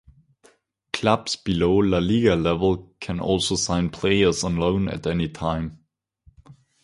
Clubs below La Liga level can also sign players on loan at any time.